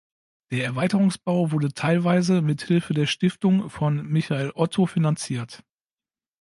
Der Erweiterungsbau wurde teilweise mithilfe der Stiftung von Michael Otto finanziert.